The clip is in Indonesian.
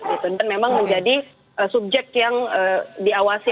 dan memang menjadi subjek yang diawasi